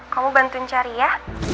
kamu bantuin cari ya